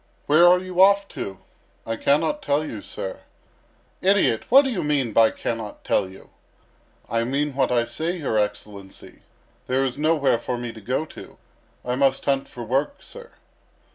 "Where are you off to?" "I cannot tell you, sir." "Idiot! What do you mean by 'cannot tell you?'" "I mean what I say, your Excellency. There is nowhere for me to go to. I must hunt for work, sir."